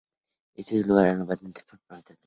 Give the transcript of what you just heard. Esto dio lugar a una patente fundamental y los Dres.